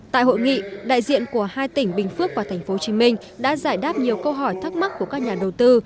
tại hội nghị đại diện của hai tỉnh bình phước và tp hcm đã giải đáp nhiều câu hỏi thắc mắc của các nhà đầu tư